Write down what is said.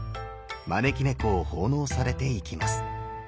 招き猫を奉納されていきます。